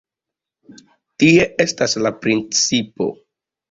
Tia estas la principo.